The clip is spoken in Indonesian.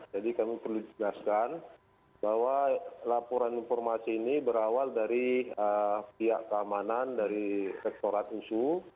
jadi kami perlu jelaskan bahwa laporan informasi ini berawal dari pihak keamanan dari rektorat usu